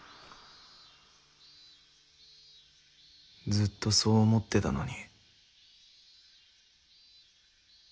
ずっとそう思ってたのに。